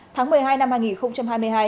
tháng một mươi hai năm hai nghìn hai mươi hai